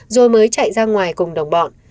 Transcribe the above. rồi mới chạy ra ngoài cùng đồng bọn